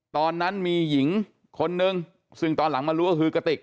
ตอนนั้นมีหญิงคนนึงซึ่งตอนหลังมารู้ก็คือกระติก